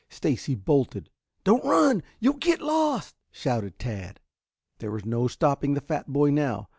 Stacy bolted. "Don't run! You'll get lost!" shouted Tad. There was no stopping the fat boy now.